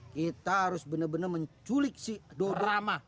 kita harus bener bener menculik si dodo ramah